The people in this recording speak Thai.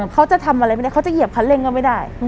เขาจะทำอะไรไม่ได้เขาจะเหยียบคันเร่งก็ไม่ได้